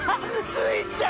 スイちゃん